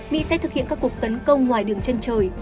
mỹ sẽ thực hiện các cuộc tấn công ngoài đường chân trời